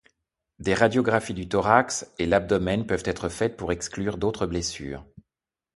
Des radiographies du thorax et l'abdomen peuvent être faites pour exclure d'autres blessures.